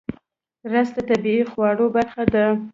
رس د طبیعي خواړو برخه ده